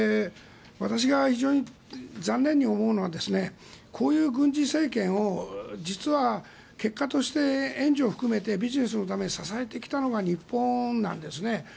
私が非常に残念に思うのはこういう軍事政権を実は結果として援助を含めてビジネスのために支えてきたのが日本なんですね。